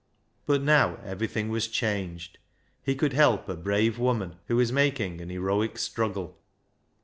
But now everything was changed. He could help a brave woman who was making an heroic struggle.